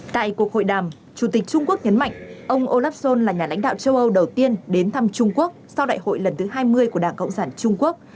tại cuộc hội đàm chủ tịch trung quốc nhấn mạnh ông olaf scholz là nhà lãnh đạo châu âu đầu tiên đến thăm trung quốc sau đại hội lần thứ hai mươi của đảng cộng sản trung quốc